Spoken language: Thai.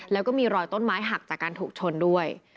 แล้วก็มีรอยต้นไม้หักจากการถูกชนด้วย